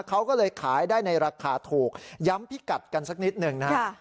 เขาก็เลยขายได้ในราคาถูกย้ำพิกัดกันสักนิดหนึ่งนะครับ